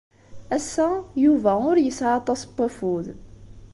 Ass-a, Yuba ur yesɛi aṭas n wafud.